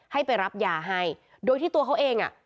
ให้ไปรับยาให้โดยที่ตัวเขาเองอ่ะ